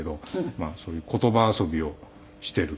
まあそういう言葉遊びをしているっていう。